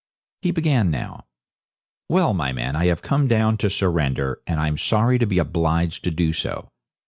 He began now. 'Well, my men, I have come down to surrender, and I'm sorry to be obliged to do so.